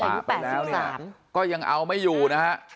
อายุไปแล้วเนี่ยก็ยังเอาไม่อยู่นะฮะ